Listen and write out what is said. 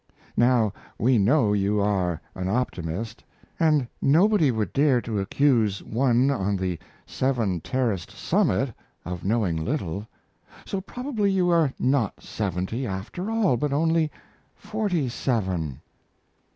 Now we know you are an optimist, and nobody would dare to accuse one on the "seven terraced summit" of knowing little. So probably you are not seventy after all, but only forty seven!